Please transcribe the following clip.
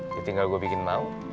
tinggal gue bikin mau